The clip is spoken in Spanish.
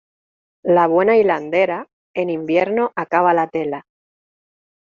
La buena hilandera, en invierno acaba la tela.